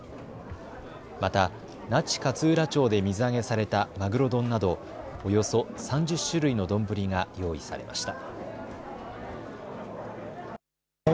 また那智勝浦町で水揚げされたマグロ丼などおよそ３０種類の丼が用意されました。